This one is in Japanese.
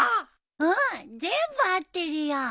うん全部合ってるよ。